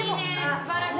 素晴らしい。